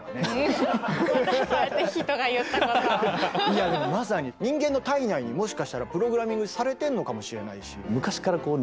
いやでもまさに人間の体内にもしかしたらプログラミングされてんのかもしれないし。